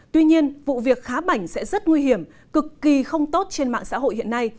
tuy nhiên vụ việc khá bảnh sẽ rất nguy hiểm cực kỳ không tốt trên mạng xã hội hiện nay